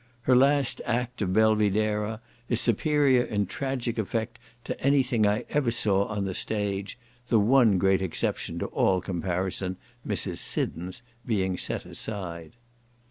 Her last act of Belvidera is superior in tragic effect to any thing I ever saw on the stage, the one great exception to all comparison, Mrs. Siddons, being set aside.